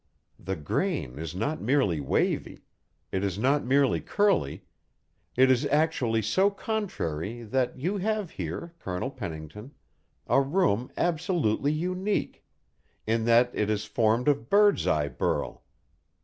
The grain is not merely wavy; it is not merely curly; it is actually so contrary that you have here, Colonel Pennington, a room absolutely unique, in that it is formed of bird's eye burl.